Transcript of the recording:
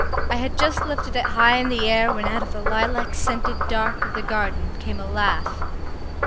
I had just lifted it high in the air when out of the lilac scented dark of the garden came a laugh.